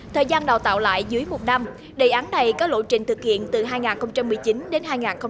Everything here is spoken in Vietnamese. thời gian đào tạo lại dưới một năm đề án này có lộ trình thực hiện từ hai nghìn một mươi chín đến hai nghìn hai mươi